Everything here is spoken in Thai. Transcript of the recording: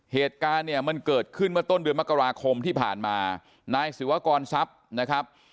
เหตุการณ์เนี่ยมันเกิดขึ้นเมื่อต้นเดือนมกราคมที่ผ่านมานายศิวากรทรัพย์นะครับ